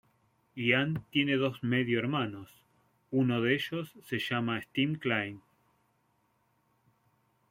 Ian tiene dos medio hermanos, uno de ellos se llama Steve Kline.